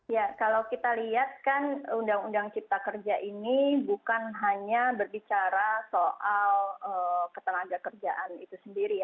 ya kalau kita lihat kan undang undang cipta kerja ini bukan hanya berbicara soal ketenaga kerjaan itu sendiri